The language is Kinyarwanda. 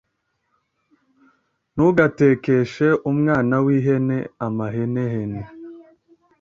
Ntugatekeshe umwana w ihene amahenehene